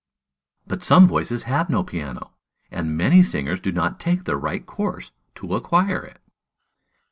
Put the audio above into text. "But some voices have no piano, and many singers do not take the right course to acquire it."